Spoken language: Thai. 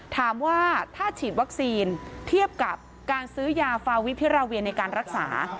ถามว่าถ้าฉีดวัคซีนเทียบกับการซื้อยาฟาวิพิราเวียในการรักษา